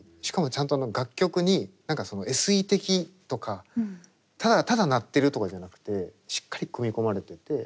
しかもちゃんと楽曲に何かそのＳＥ的とかただ鳴ってるとかじゃなくてしっかり組み込まれてて。